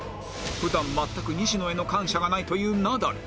普段全く西野への感謝がないというナダル